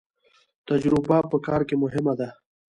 تجربه په کار کې مهمه ده